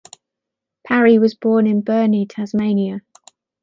Parry was born in Burnie, Tasmania.